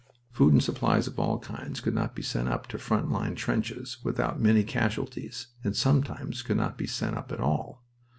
Food and supplies of all kinds could not be sent up to front line trenches without many casualties, and sometimes could not be sent up at all.